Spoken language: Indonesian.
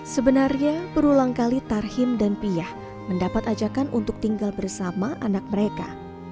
sebenarnya berulang kali tarhim dan piyah mendapat ajakan untuk tinggal bersama anak mereka